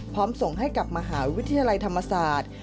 ส่งให้กับมหาวิทยาลัยธรรมศาสตร์